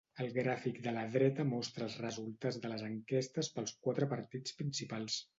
El gràfic de la dreta mostra els resultats de les enquestes pels quatre partits principals.